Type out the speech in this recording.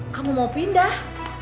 kamu mau pindah